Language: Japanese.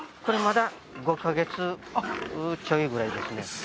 これまだ５カ月ちょいぐらいですね